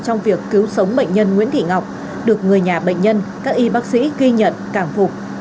trong việc cứu sống bệnh nhân nguyễn thị ngọc được người nhà bệnh nhân các y bác sĩ ghi nhận cảm phục